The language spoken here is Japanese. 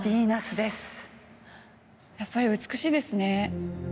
やっぱり美しいですね。